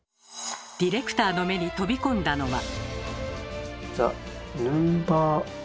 ディレクターの目に飛び込んだのは。